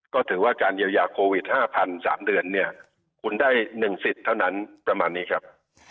ก็ถือว่าการเยียวยาโควิด๕๐๐๓เดือนเนี่ยคุณได้๑สิทธิ์เท่านั้นประมาณนี้ครับ